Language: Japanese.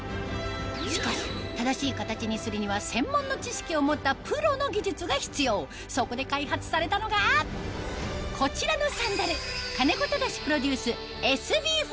しかし正しい形にするには専門の知識を持ったプロの技術が必要そこで開発されたのがこちらのサンダル僕がね